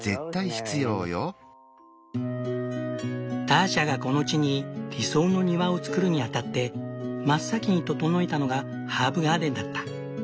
ターシャがこの地に理想の庭を造るにあたって真っ先に整えたのがハーブガーデンだった。